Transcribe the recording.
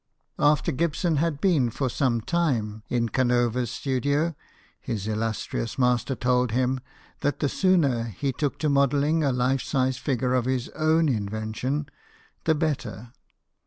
After Gibson had been for some time in Canova's studio, his illustrious master told him that the sooner he took to modelling a life size figi re of his own invention, the better.